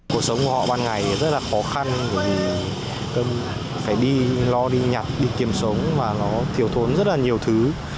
cuộc sống của họ ban ngày rất là khó khăn bởi vì phải đi lo đi nhặt đi kiểm sống và nó thiếu thốn rất là nhiều thứ